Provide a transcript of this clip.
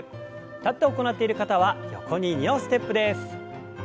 立って行っている方は横に２歩ステップです。